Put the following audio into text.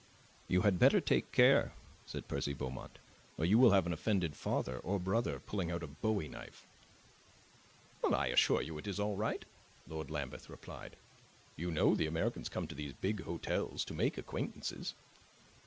"You had better take care," said Percy Beaumont, "or you will have an offended father or brother pulling out a bowie knife." "I assure you it is all right," Lord Lambeth replied. "You know the Americans come to these big hotels to make acquaintances."